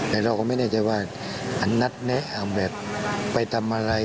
แต่เราก็ไม่แน่ใจว่าอันนัดแนะเอาแบบไปทำอะไร